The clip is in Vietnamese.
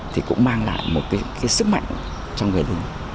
thì cũng mang lại một cái sức mạnh cho người lính